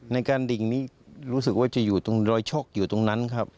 ในการดิ่งนี้รู้สึกว่าจะอยู่ตรงรอยชกอยู่ตรงนั้นครับ